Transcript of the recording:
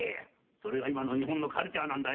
それが今の日本のカルチャーなんだよ。